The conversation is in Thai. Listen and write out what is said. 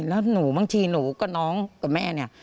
แล้วหนูบางทีหนูกับน้องกับแม่เนี่ย